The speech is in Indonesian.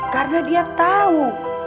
karena dia tau